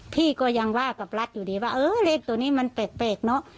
พี่ก็ยังว่ากับรัฐอยู่ดีว่าเออเลขตัวนี้มันแปลกเนอะ